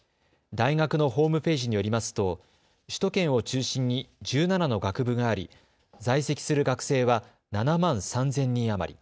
大学のホームページによりますと首都圏を中心に１７の学部があり在籍する学生は７万３０００人余り。